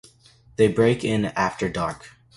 They break in after dark.